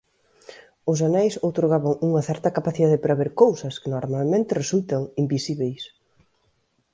Os Aneis outorgaban unha certa capacidade para ver cousas que normalmente resultan invisíbeis.